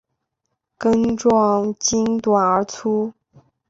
根状茎短而粗。